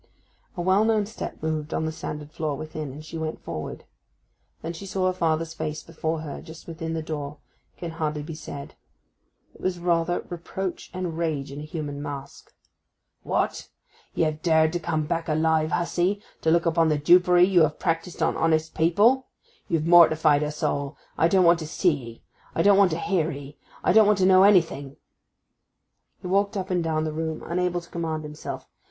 A well known step moved on the sanded floor within, and she went forward. That she saw her father's face before her, just within the door, can hardly be said: it was rather Reproach and Rage in a human mask. 'What! ye have dared to come back alive, hussy, to look upon the dupery you have practised on honest people! You've mortified us all; I don't want to see 'ee; I don't want to hear 'ee; I don't want to know anything!' He walked up and down the room, unable to command himself.